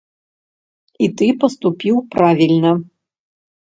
І ты паступіў правільна.